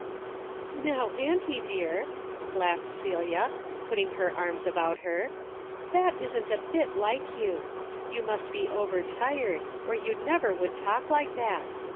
" How, auntie dear," laughed Celia, putting her arms about her, " that isn't a bit like you. You must be over tired or you never would talk like that.